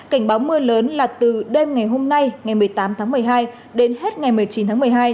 cảnh báo mưa lớn là từ đêm ngày hôm nay ngày một mươi tám tháng một mươi hai đến hết ngày một mươi chín tháng một mươi hai